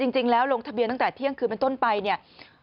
ลงทะเบียนตั้งแต่เที่ยงคืนเป็นต้นไปเนี่ย